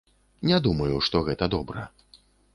Не думаю, што гэта добра.